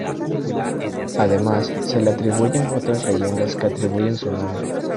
Además se le atribuyen otras leyendas que atribuyen su nombre.